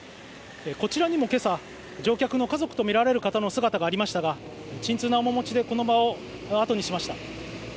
こちらにも今朝、乗客の家族とみられる方の姿がありましたが沈痛な面持ちでこの場をあとにしました。